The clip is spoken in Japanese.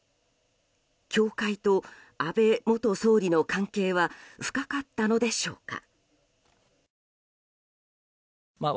教会と安倍元総理の関係は深かったのでしょうか。